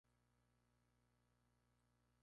Alan llama a la compañía y presenta una queja.